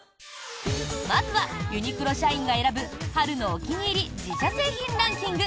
まずは、ユニクロ社員が選ぶ春のお気に入り自社製品ランキング。